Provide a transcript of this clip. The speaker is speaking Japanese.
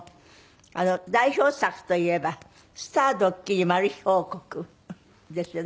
代表作といえば『スターどっきり報告』ですよね。